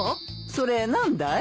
それ何だい？